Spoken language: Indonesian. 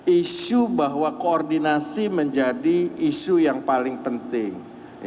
isu bahwa koordinasi menjadi isu yang paling penting